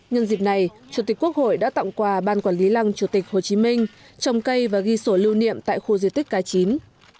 nhân dịp này chủ tịch quốc hội đã tặng quà ban quản lý lăng chủ tịch hồ chí minh trồng cây và ghi sổ lưu niệm tại khu di tích cá chín